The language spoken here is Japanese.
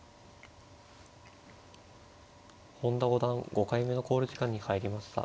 本田五段５回目の考慮時間に入りました。